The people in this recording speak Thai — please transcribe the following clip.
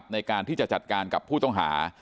ในการที่จะจัดการกับผู้ต้องหา